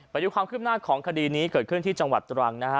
ไปดูความคืบหน้าของคดีนี้เกิดขึ้นที่จังหวัดตรังนะฮะ